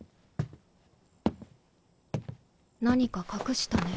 何か隠したね。